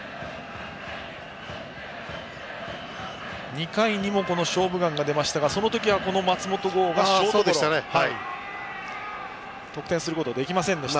２回にも「勝負眼」が出ましたがその時には松本剛が得点することはできませんでした。